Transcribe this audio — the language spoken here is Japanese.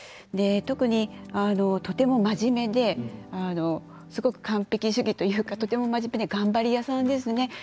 特に、とても真面目ですごく完璧主義というかとても真面目で頑張り屋さんですね。